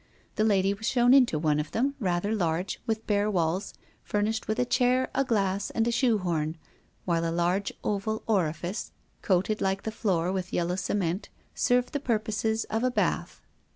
The lady was shown into one of them, rather large, with bare walls, furnished with a chair, a glass, and a shoe horn, while a large oval orifice, coated, like the floor, with yellow cement, served the purposes of a bath.